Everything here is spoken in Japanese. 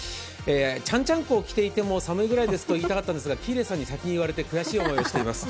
ちゃんちゃんこを着ていても寒いぐらいですと言いたかったんですけど、喜入さんに先に言われて悔しい思いをしています。